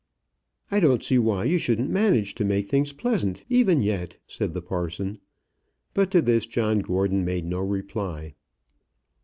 "I don't see why you shouldn't manage to make things pleasant even yet," said the parson. But to this John Gordon made no reply.